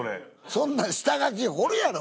そんなん下書きほるやろ。